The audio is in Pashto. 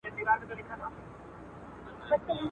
زما له غیږي څخه ولاړې اسمانې سولې جانانه.